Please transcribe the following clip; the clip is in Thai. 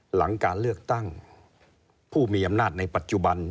หลังการเลือกตั้งผู้มีอำนาจในปัจจุบัน